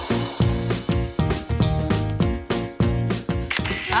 อาหาร